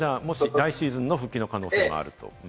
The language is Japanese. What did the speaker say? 来シーズン復帰の可能性もあると。